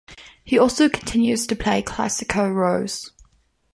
He also continues to play classical roles.